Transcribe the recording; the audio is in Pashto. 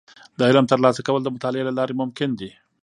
د علم ترلاسه کول د مطالعې له لارې ممکن دي.